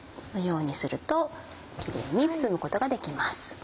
このようにするとキレイに包むことができます。